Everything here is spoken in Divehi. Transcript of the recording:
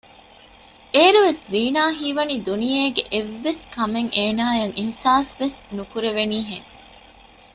އޭރުވެސް ޒީނާ ހީވަނީ ދުނިޔޭގެ އެއްވެސްކަމެއް އޭނައަށް އިހްސާސް ވެސް ނުކުރެވެނީ ހެން